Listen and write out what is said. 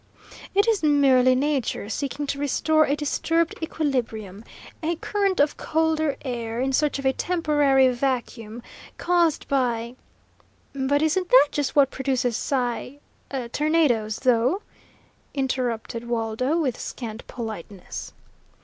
"It is merely nature seeking to restore a disturbed equilibrium; a current of colder air, in search of a temporary vacuum, caused by " "But isn't that just what produces cy tornadoes, though?" interrupted Waldo, with scant politeness.